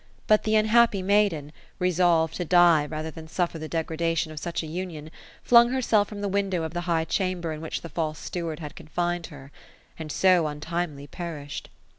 But the unhappy maiden, resolved to die rather than suffer the degradation of such a union, flung herself from the window of the high chamber in which the false steward had confined her ; and so, untimely, perished.